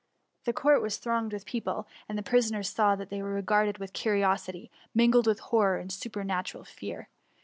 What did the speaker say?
The court was tbiooged with pec^le, and the prisoners saw that they were r^arded with curiosity, mingled with horror and super natural fear.